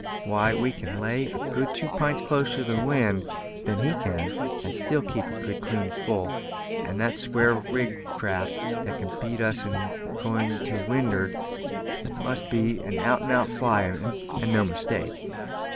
Why, we can lay a good two pints closer to the wind than he can, and still keep a good clean full; and the square rigged craft that can beat us in going to wind'ard must be an out and out flyer, and no mistake.